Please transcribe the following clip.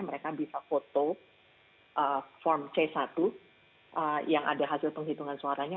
mereka bisa foto form c satu yang ada hasil penghitungan suaranya